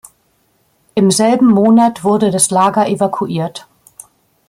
Im selben Monat wurde das Lager evakuiert.